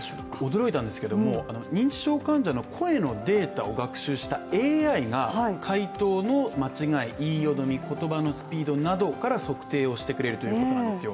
驚いたんですけども認知症患者の声のデータを学習したＡＩが回答の間違い、言いよどみ、言葉のスピードなどから測定をしてくれるということなんですよ。